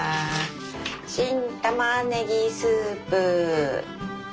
新玉ねぎスープ。